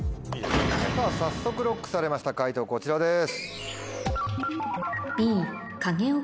早速ＬＯＣＫされました解答こちらです。